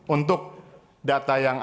untuk data yang